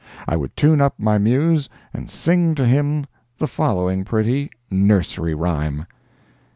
I would tune up my muse and sing to him the following pretty NURSERY RHYME.